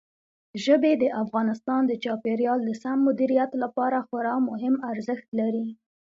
ژبې د افغانستان د چاپیریال د سم مدیریت لپاره خورا مهم ارزښت لري.